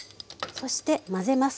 そして混ぜます。